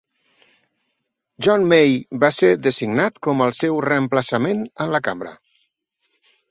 John May va ser designat com el seu reemplaçament en la Cambra.